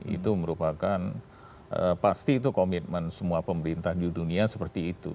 itu merupakan pasti itu komitmen semua pemerintah di dunia seperti itu